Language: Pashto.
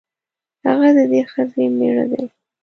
هغه د دې ښځې مېړه دی.